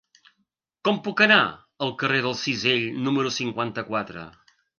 Com puc anar al carrer del Cisell número cinquanta-quatre?